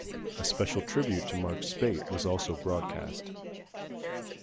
A special tribute to Mark Speight was also broadcast.